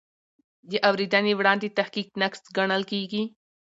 د اورېدنې وړاندې تحقیق ناقص ګڼل کېږي.